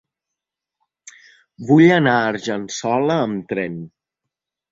Vull anar a Argençola amb tren.